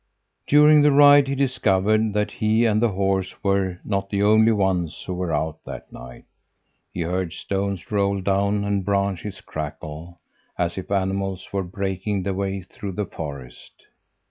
"During the ride he discovered that he and the horse were not the only ones who were out that night. He heard stones roll down and branches crackle, as if animals were breaking their way through the forest.